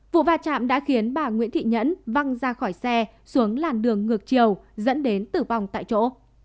vụ va chạm đã khiến bà nguyễn thị nhẫn văng ra khỏi xe xuống làn đường ngược chiều dẫn đến tử vong tại chỗ